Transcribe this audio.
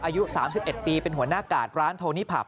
อายุ๓๑ปีเป็นหัวหน้ากาดร้านโทนี่ผับ